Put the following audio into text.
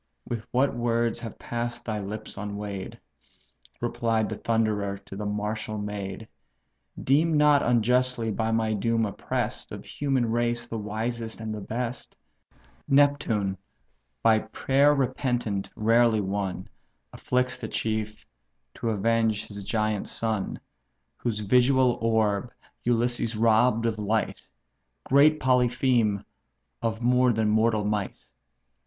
what words have pass'd thy lips unweigh'd! (Replied the Thunderer to the martial maid;) Deem not unjustly by my doom oppress'd, Of human race the wisest and the best. Neptune, by prayer repentant rarely won, Afflicts the chief, to avenge his giant son, Whose visual orb Ulysses robb'd of light; Great Polypheme, of more than mortal might?